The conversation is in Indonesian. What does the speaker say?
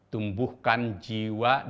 tumbuhkan jiwa dan kebijakan